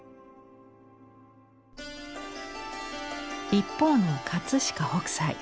一方の飾北斎。